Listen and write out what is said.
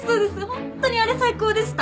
ホントにあれ最高でした。